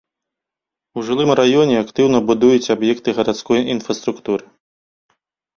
У жылым раёне актыўна будуюцца аб'екты гарадской інфраструктуры.